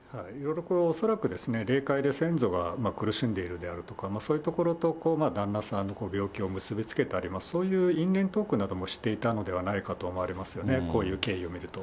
恐らく霊界で先祖が苦しんでいるですとか、そういうところと、旦那さんの病気を結び付けたり、そういうトークなどもしていたのではないかと思われますよね、こういう経緯を見ると。